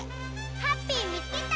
ハッピーみつけた！